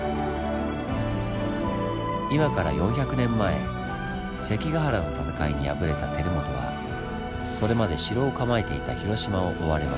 今から４００年前関ヶ原の戦いに敗れた輝元はそれまで城を構えていた広島を追われます。